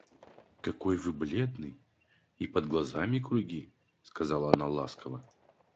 — Какой вы бледный, и под глазами круги, — сказала она ласково.